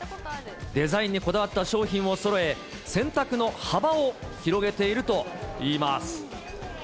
デザインにこだわった商品をそろえ、選択の幅を広げているといいます。